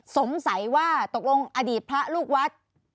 สงสัยว่าตกลงอดีตพระลูกวัด